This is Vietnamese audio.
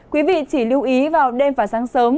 quý vị chỉ lưu ý vào đêm và sáng sớm